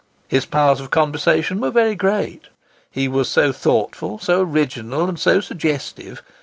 His powers of conversation were very great. He was so thoughtful, so original, and so suggestive.